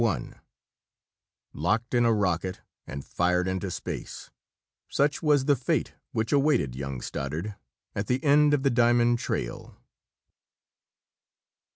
_"] [Sidenote: Locked in a rocket and fired into space! such was the fate which awaited young Stoddard at the end of the diamond trail!